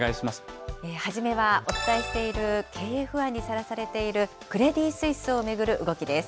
初めは、お伝えしている、経営不安にさらされているクレディ・スイスを巡る動きです。